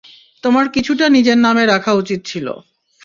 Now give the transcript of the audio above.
তোমার কিছুটা নিজের নামে রাখা উচিত ছিল।